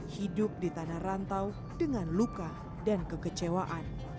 hidup di tanah rantau dengan luka dan kekecewaan